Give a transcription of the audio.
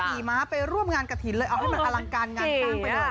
ขี่ม้าไปร่วมงานกระถิ่นเลยเอาให้มันอลังการงานสร้างไปได้